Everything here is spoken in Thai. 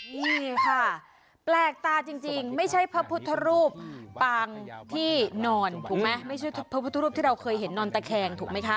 นี่ค่ะแปลกตาจริงไม่ใช่พระพุทธรูปปางที่นอนถูกไหมไม่ใช่พระพุทธรูปที่เราเคยเห็นนอนตะแคงถูกไหมคะ